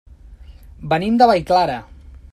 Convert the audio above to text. Venim de Vallclara.